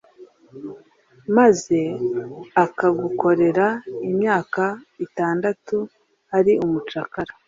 maze akagukorera imyaka itandatu ari umucakara,